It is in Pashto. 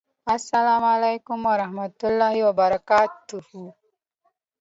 اسلام اعلیکم ورحمت الله وبرکاته